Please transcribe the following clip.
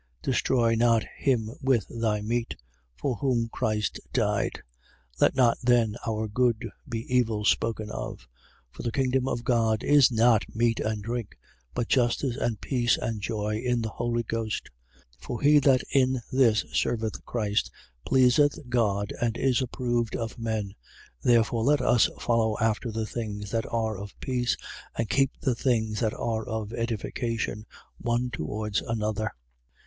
Destroy not him with thy meat, for whom Christ died. 14:16. Let not then our good be evil spoken of. 14:17. For the kingdom of God is not meat and drink: but justice and peace and joy in the Holy Ghost. 14:18. For he that in this serveth Christ pleaseth God and is approved of men. 14:19. Therefore, let us follow after the things that are of peace and keep the things that are of edification, one towards another.